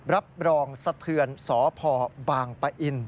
รับรองสะเทือนสพบางปะอิน